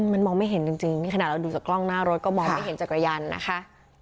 มันมองไม่เห็นจริงนี่ขนาดเราดูจากกล้องหน้ารถก็มองไม่เห็นจักรยานนะคะ